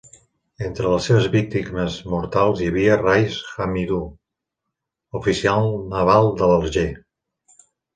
Entre les seves víctimes mortals hi havia Rais Hamidu, oficial naval de l'Alger.